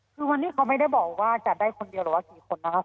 คือวันนี้เขาไม่ได้บอกว่าจัดได้คนเดียวหรือว่ากี่คนนะครับ